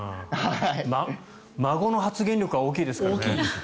孫の発言力は大きいですからね。